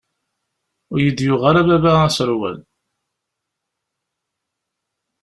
Ur iyi-d-yuɣ ara baba aserwal.